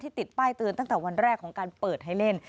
ติดป้ายเตือนตั้งแต่วันแรกของการเปิดให้เล่น